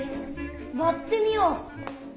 わってみよう。